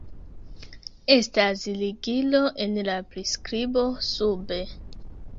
Estas ligilo en la priskribo sube